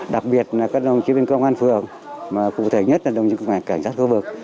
đặc biệt là các đồng chí bên công an phường mà cụ thể nhất là đồng chí công an cảnh sát khu vực